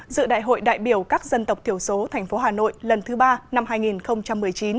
dự đại hội đại biểu các dân tộc thiểu số thành phố hà nội lần thứ ba năm hai nghìn một mươi chín